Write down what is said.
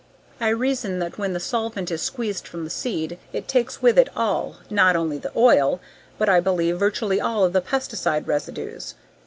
I reason that when the solvent is squeezed from the seed, it takes with it all not only the oil, but, I believe, virtually all of the pesticide residues.